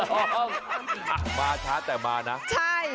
ครับมาช้าแต่มานะ